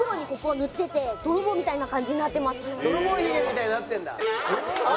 泥棒ひげみたいになってるんだ。